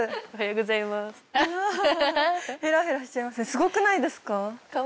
すごくないですか？